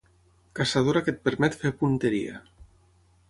Caçadora que et permet fer punteria.